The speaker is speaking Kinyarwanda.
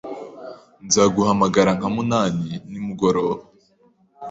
Nzaguhamagara nka munani nimugoroba.